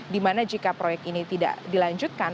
di mana jika proyek ini tidak dilanjutkan